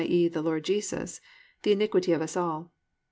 e., on the Lord Jesus) the iniquity of us all."